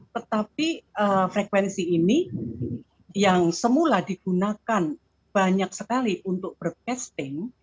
tetapi frekuensi ini yang semula digunakan banyak sekali untuk broadcasting